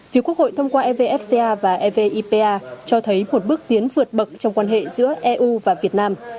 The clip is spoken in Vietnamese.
phiếu quốc hội thông qua evfta và evipa cho thấy một bước tiến vượt bậc trong quan hệ giữa eu và việt nam